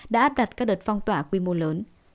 đã áp đặt các đợt phong tỏa quy mô lớn